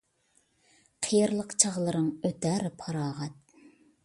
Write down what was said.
قېرىلىق چاغلىرىڭ ئۆتەر پاراغەت